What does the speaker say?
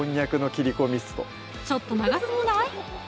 ちょっと長すぎない？